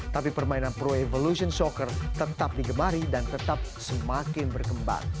tapi permainan pro evolution soccer tetap digemari dan tetap semakin berkembang